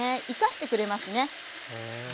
生かしてくれますね。